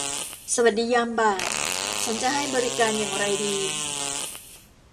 สวัสดียามบ่ายฉันจะให้บริการอย่างไรดี ?